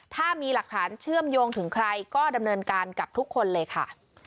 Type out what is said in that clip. ถ้ามีหลักฐานเชื่อมโยงถึงใครก็ดำเนินการกับทุกคนเลยค่ะ